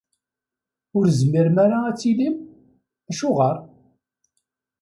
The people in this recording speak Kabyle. Ur tezmirem ara ad tilim? Acuɣer?